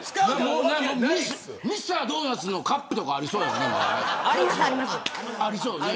ミスタードーナツのカップとかありそうやな。